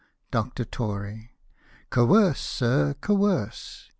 Dr, Tory. Coerce, sir, coerce.